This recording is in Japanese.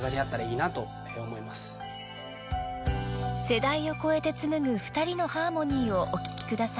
［世代を超えて紡ぐ二人のハーモニーをお聴きください］